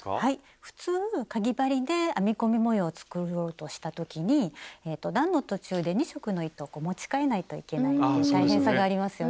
普通かぎ針で編み込み模様を作ろうとした時に段の途中で２色の糸をこう持ちかえないといけないという大変さがありますよね。